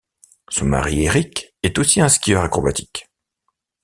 Son mari Erik est aussi un skieur acrobatique.